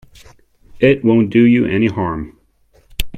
It won't do you any harm.